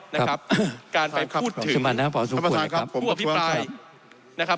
นะครับการไปพูดถึงผู้อภิปรายนะครับ